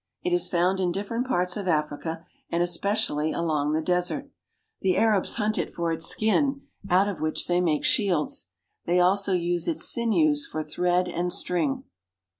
It is found in different parts of Africa, and especially along the desert. The Arabs hunt it for its skin, out of which they make shields. They also use its sinews for thread and string.